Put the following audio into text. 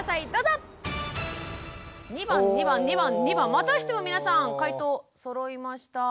またしても皆さん解答そろいました。